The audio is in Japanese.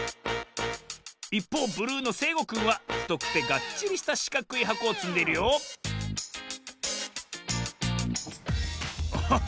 いっぽうブルーのせいごくんはふとくてがっちりしたしかくいはこをつんでいるよおっ！